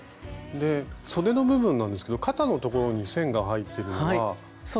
でそでの部分なんですけど肩のところに線が入っているのは。